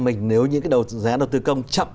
mình nếu những dự án đầu tư công chậm